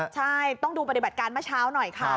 ใช่ต้องดูปฏิบัติการเมื่อเช้าหน่อยค่ะ